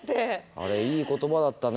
あれいい言葉だったね。